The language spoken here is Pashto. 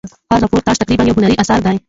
هر راپورتاژ تقریبآ یو هنري اثر دئ.